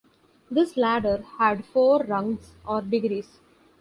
This ladder had four rungs or degrees.